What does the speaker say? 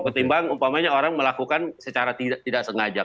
ketimbang umpamanya orang melakukan secara tidak sengaja